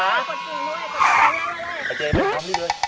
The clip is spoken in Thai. ให้เจเวนนี้ด้วย